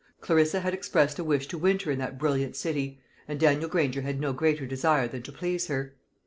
Clarissa had expressed a wish to winter in that brilliant city, and Daniel Granger had no greater desire than to please her.